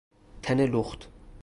تن لخت